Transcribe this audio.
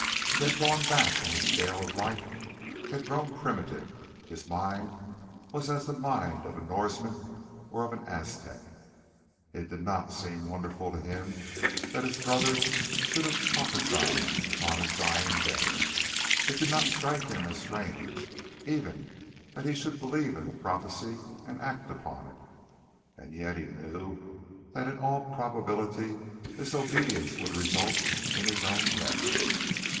He had gone back in the scale of life, he had grown primitive; his mind was as the mind of a Norseman or of an Aztec. It did not seem wonderful to him that his brother should have prophesied upon his dying bed; it did not strike him as strange even that he should believe in the prophecy and act upon it. And yet he knew that in all probability this obedience would result in his own death.